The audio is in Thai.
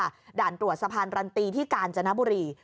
ด่านตรวจสะพานรันตีที่กาญจนบุรี